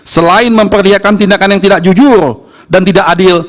selain memperlihatkan tindakan yang tidak jujur dan tidak adil